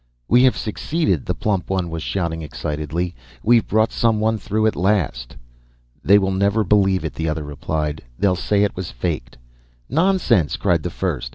"'We have succeeded!' the plump one was shouting excitedly. 'We've brought someone through at last!' "'They will never believe it,' the other replied. 'They'll say it was faked.' "'Nonsense!' cried the first.